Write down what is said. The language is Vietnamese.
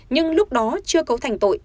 nhưng lúc đó chưa cấu thành tội